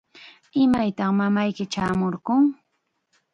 ¿Imaytaq mamayki chaamurqun?